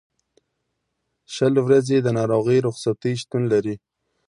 شل ورځې د ناروغۍ رخصتۍ شتون لري.